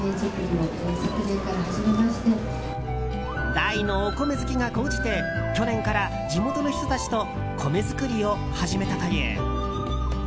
大のお米好きが高じて去年から地元の人たちと米作りを始めたという。